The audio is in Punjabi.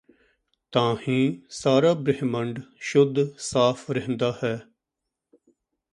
ਤਾਂਹੀਂ ਸਾਰਾ ਬ੍ਰਹਿਮੰਡ ਸ਼ੁੱਧ ਸਾਫ਼ ਰਹਿੰਦਾ ਹੈ